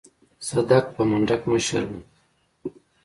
صدک پر منډک مشر و.